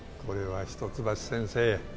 これは一橋先生！